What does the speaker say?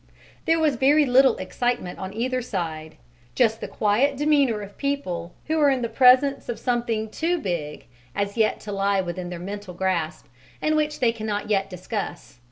There was very little excitement on either side: just the quiet demeanour of people who are in the presence of something too big as yet to lie within their mental grasp, and which they cannot yet discuss.